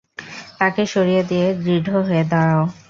তাকে সরিয়ে দিয়ে দৃঢ় হয়ে দাঁড়াও।